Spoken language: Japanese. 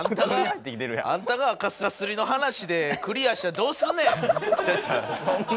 あんたがアカスリの話でクリアしたらどうすんねん！